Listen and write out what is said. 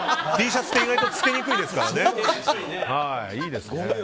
Ｔシャツって意外とつけにくいですからね。